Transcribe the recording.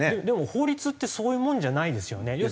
でも法律ってそういうものじゃないですよね。